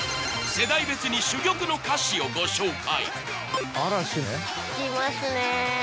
世代別に珠玉の歌詞をご紹介